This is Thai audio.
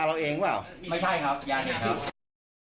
แล้วยาแปลกเองป่าหรอไม่ใช่ครับยาเผ็ดครับ